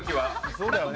そうだよね。